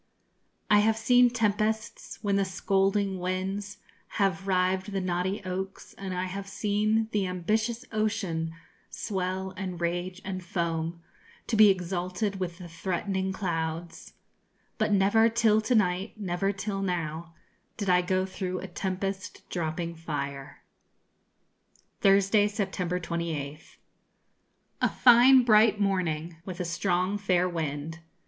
I have seen tempests, when the scolding winds Have riv'd the knotty oaks; and I have seen The ambitious ocean swell and rage and foam, To be exalted with the threat'ning clouds: But never till to night, never till now Did I go through a tempest dropping fire. Thursday, September 28th, A fine bright morning, with a strong, fair wind.